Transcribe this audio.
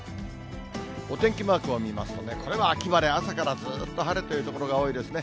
お天気マークを見ますとね、これは秋晴れ、朝からずっと晴れている所が多いですね。